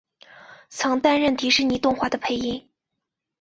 曾经担任迪士尼动画的配音。